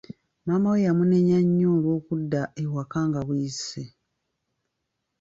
Maama we yamunenya nnyo olw'okudda ewaka nga buyise.